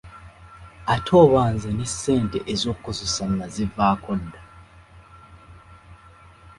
Ate oba nze ne ssente ez’okukozesa nazivaako dda!